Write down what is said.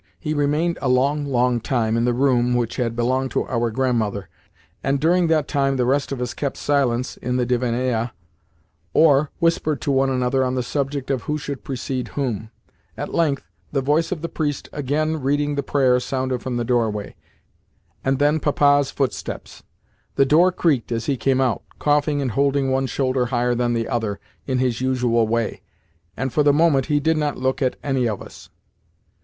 He remained a long, long time in the room which had belonged to our grandmother, and during that time the rest of us kept silence in the divannaia, or only whispered to one another on the subject of who should precede whom. At length, the voice of the priest again reading the prayer sounded from the doorway, and then Papa's footsteps. The door creaked as he came out, coughing and holding one shoulder higher than the other, in his usual way, and for the moment he did not look at any of us.